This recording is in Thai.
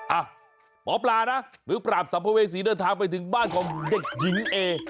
อ่ะหมอปลานะหรือปราบสัมภเวษีเดินทางไปถึงบ้านของเด็กหญิงเอ